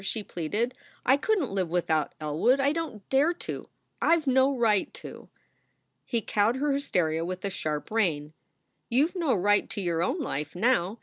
she pleaded. "I couldn t live without Elwood, I don t dare to. I ve no right to." He cowed her hysteria with a sharp rein : "You ve no right to your own life now.